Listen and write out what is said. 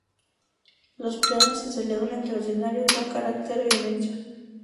Los Plenos se celebran de ordinario con carácter bimensual.